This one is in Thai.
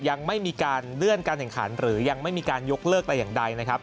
ยังไม่มีการเลื่อนการถังขันหรือยังไม่มีการยกเลิกตัวอย่างใด